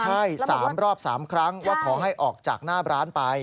ใช่๓รอบ๓ครั้งว่าขอให้ออกจากหน้าร้านไป